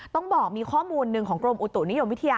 ต้องบอกมีข้อมูลหนึ่งของกรมอุตุนิยมวิทยา